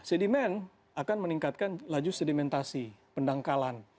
sedimen akan meningkatkan laju sedimentasi pendangkalan